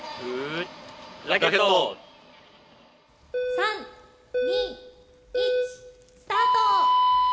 ３２１スタート！